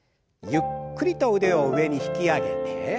ゆっくりと腕を上に引き上げて。